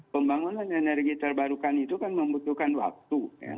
pembangunan energi terbarukan itu kan membutuhkan waktu